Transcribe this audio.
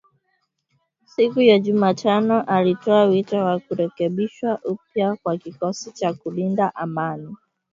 Siku ya Jumatano alitoa wito wa kurekebishwa upya kwa kikosi cha kulinda amani cha Umoja wa Mataifa.